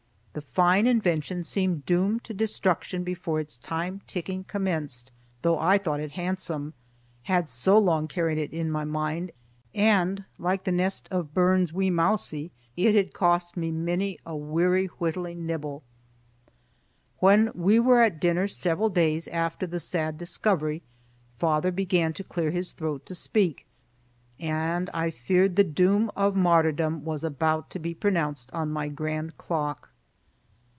The fine invention seemed doomed to destruction before its time ticking commenced, though I thought it handsome, had so long carried it in my mind, and like the nest of Burns's wee mousie it had cost me mony a weary whittling nibble. When we were at dinner several days after the sad discovery, father began to clear his throat to speak, and I feared the doom of martyrdom was about to be pronounced on my grand clock.